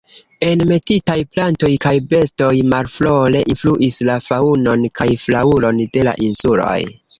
Enmetitaj plantoj kaj bestoj malfavore influis la faŭnon kaj flaŭron de la insuloj.